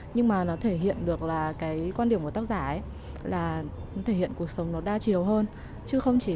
nhưng mà nó thể hiện được là cái quan điểm của tác giả ấy là nó thể hiện cuộc sống nó đa chiều hơn